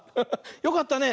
よかったね。